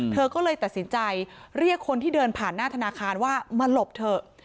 เธอก็เลยตัดสินใจเรียกคนที่เดินผ่านหน้าธนาคารว่ามาหลบเถอะ